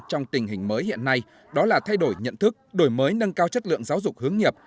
trong tình hình mới hiện nay đó là thay đổi nhận thức đổi mới nâng cao chất lượng giáo dục hướng nghiệp